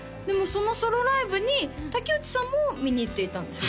そのソロライブに竹内さんも見に行っていたんですよね？